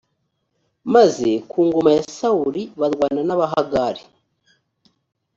maze ku ngoma ya sawuli barwana n abahagari